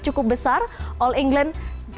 cukup besar all england